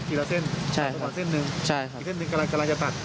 ทีละเส้นสองเส้นหนึ่งอีกเส้นหนึ่งกำลังจะตัด